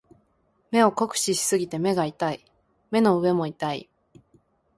目を酷使しすぎて目が痛い。目の上も痛い。